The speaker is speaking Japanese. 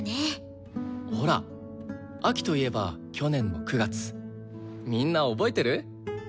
ほら秋といえば去年の９月みんな覚えてる？